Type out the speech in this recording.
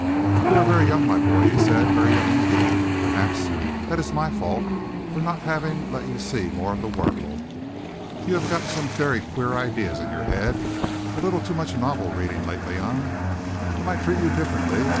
"You are very young, my boy," he said, "very young indeed. Perhaps that is my fault for not having let you see more of the world. You have got some very queer ideas into your head. A little too much novel reading lately, eh? I might treat you differently.